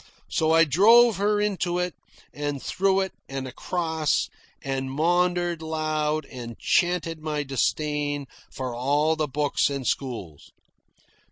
So I drove her into it, and through it, and across, and maundered aloud and chanted my disdain for all the books and schools.